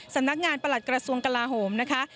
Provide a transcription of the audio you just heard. สำนักงานประหลัดกระทรวงกลาโหมนะคะ